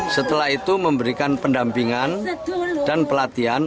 setelah itu memberikan pendampingan dan pelatihan